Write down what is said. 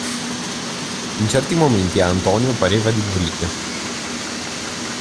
In certi momenti a Antonio pareva di morire.